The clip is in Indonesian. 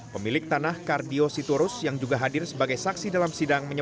pemilik tanah kardio sitorus yang juga hadir sebagai saksi dalam sidang